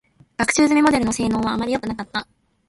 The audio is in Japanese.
学習済みモデルの性能は、あまりよくなかった。